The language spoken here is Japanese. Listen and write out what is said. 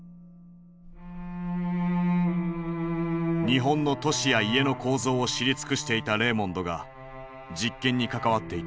日本の都市や家の構造を知り尽くしていたレーモンドが実験に関わっていた。